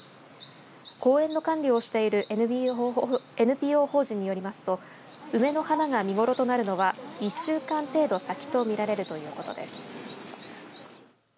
公園の管理をしているＮＰＯ法人によりますと梅の花が見頃となるのは２週間程度先とみられるということです。